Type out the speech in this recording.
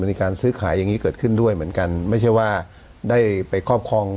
มีการซื้อขายอย่างนี้เกิดขึ้นด้วยเหมือนกันไม่ใช่ว่าได้ไปครอบครอง